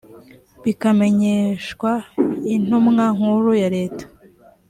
bikamenyeshwa intumwa nkuru ya leta